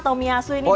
tomiasu ini di arsenal